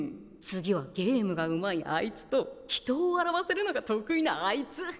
次はゲームがうまいあいつと人を笑わせるのが得意なあいつ。